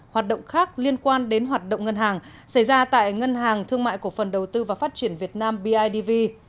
hoạt động khác liên quan đến hoạt động ngân hàng xảy ra tại ngân hàng thương mại cổ phần đầu tư và phát triển việt nam bidv